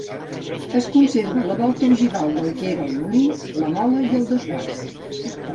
Es conserva la volta ogival del que era el molí, la mola i el desguàs.